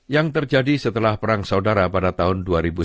yang terjadi setelah perang saudara pada tahun dua ribu sepuluh